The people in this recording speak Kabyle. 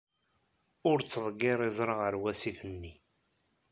Ur ttḍeggir iẓra ɣer wasif-nni.